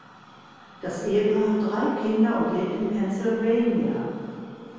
Das Ehepaar hat drei Kinder und lebt in Pennsylvania.